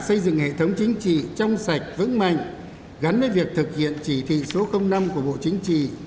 xây dựng hệ thống chính trị trong sạch vững mạnh gắn với việc thực hiện chỉ thị số năm của bộ chính trị